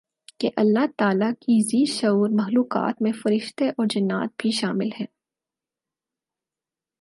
کہ اللہ تعالیٰ کی ذی شعور مخلوقات میں فرشتے اورجنات بھی شامل ہیں